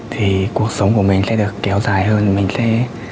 thì cuộc sống của mình sẽ được kéo dài hơn mình sẽ